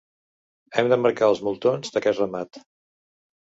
Hem de marcar els moltons d'aquest ramat.